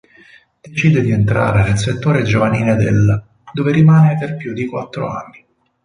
Decide di entrare nel settore giovanile dell', dove rimane per più di quattro anni.